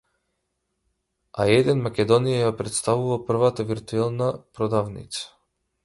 А Еден Македонија ја претставува првата виртуелна продавница